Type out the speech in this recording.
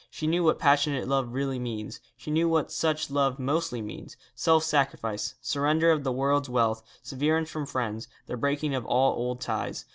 She knew what passionate love really means. She knew what such love mostly means self sacrifice, surrender of the world's wealth, severance from friends, the breaking of all old ties.